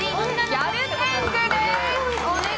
ギャル天狗です。